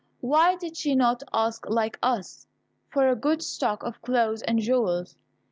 Why did she not ask, like us, for a good stock of clothes and jewels.